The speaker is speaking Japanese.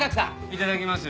いただきます。